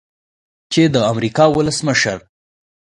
چې د امریکا ولسمشر